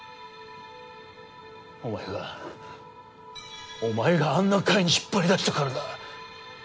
お前がお前があんな会に引っ張り出したからだ。